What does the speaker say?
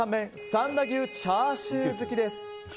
三田牛チャーシュー付きです。